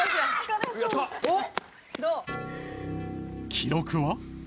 記録は。